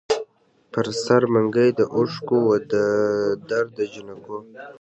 پر سر منګي د اوښکـــــو وو د درد دجینکــــو